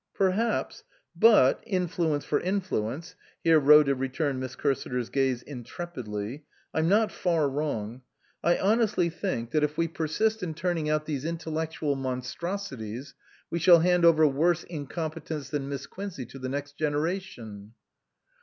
" Perhaps but, influence for influence " (here Rhoda returned Miss Cursiter's gaze intrepidly), "I'm not far wrong. I honestly think that if 315 SUPERSEDED we persist in turning out these intellectual monstrosities we shall hand over worse incom petents than Miss Quincey to the next genera tion."